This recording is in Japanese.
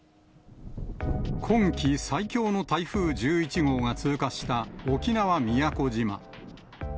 今季最強の台風１１号が通過した沖縄・宮古島。